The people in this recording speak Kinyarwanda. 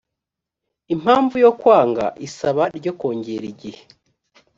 impamvu yo kwanga isaba ryo kongera igihe